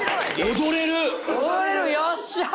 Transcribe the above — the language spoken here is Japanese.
踊れる！